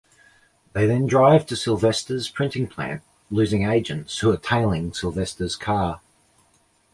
They then drive to Sylvester's printing plant, losing agents who are tailing Sylvester's car.